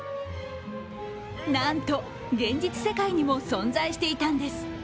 なんと現実世界にも存在していたんです。